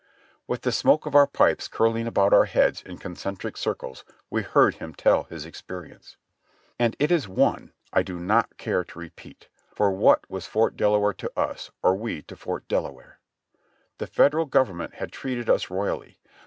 With the smoke of our pipes curling about our heads in concentric circles we heard him tell his experience ; and it is one I do not care to repeat, for what was Fort Delaware to us or we to Fort Delaware? The Federal Government had treated us royally.